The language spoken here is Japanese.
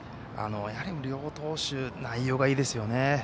やはり両投手内容がいいですよね。